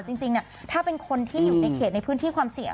จริงถ้าเป็นคนที่อยู่ในเขตในพื้นที่ความเสี่ยง